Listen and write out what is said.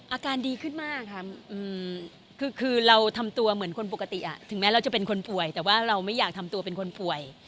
อาการดีขึ้นมากค่ะคือเราทำตัวเหมือนคนปกติถึงแม้เราจะเป็นคนป่วยแต่ว่าเราไม่อยากทำตัวเป็นคนป่วย